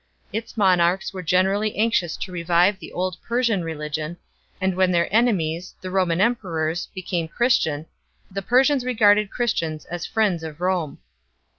Its monarchs were generally anxious to revive the old Persian religion, and when their enemies, the Roman emperors, became Christian, the Persians regarded Christians as friends of Rome.